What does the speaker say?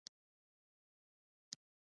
بې وزله باید ملاتړ شي